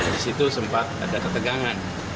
di situ sempat ada ketegangan